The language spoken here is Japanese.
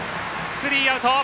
スリーアウト。